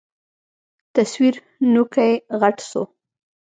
تصوير نوکى غټ سو.